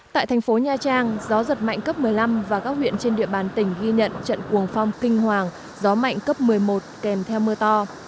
tại thành phố nha trang gió giật mạnh cấp một mươi năm và các huyện trên địa bàn tỉnh ghi nhận trận cuồng phong kinh hoàng gió mạnh cấp một mươi một kèm theo mưa to